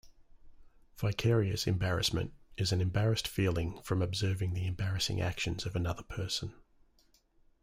Vicarious embarrassment is an embarrassed feeling from observing the embarrassing actions of another person.